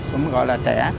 cũng gọi là trẻ